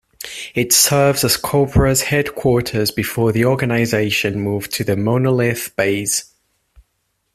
It serves as Cobra's headquarters before the organization moved to the Monolith Base.